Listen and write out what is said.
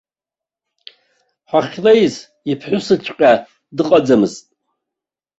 Ҳахьлеиз иԥҳәысҵәҟьа дыҟаӡамызт.